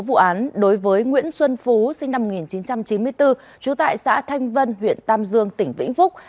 công an lạng sơn vừa ra quyết định khởi tố vụ án đối với nguyễn xuân phú sinh năm một nghìn chín trăm chín mươi bốn trú tại xã thanh vân huyện tam dương tỉnh vĩnh phúc